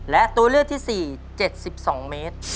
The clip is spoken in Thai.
และตัวเลือกที่๔๗๒เมตร